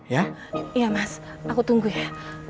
iya mas aku tunggu ya